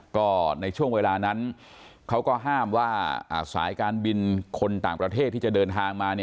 ก็ในช่วงเวลานั้นเขาก็ห้ามว่าสายการบินคนต่างประเทศที่จะเดินทางมา